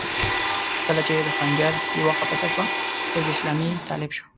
کله چې د خنجر يوه خوا پڅه شوه، حزب اسلامي طالب شو.